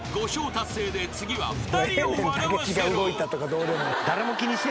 達成で次は２人を笑わせろ］